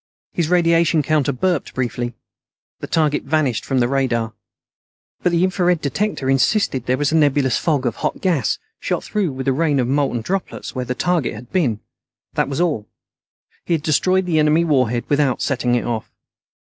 His radiation counter burped briefly. The target vanished from the radar, but the infrared detector insisted there was a nebulous fog of hot gas, shot through with a rain of molten droplets, where the target had been. That was all. He had destroyed the enemy warhead without setting it off.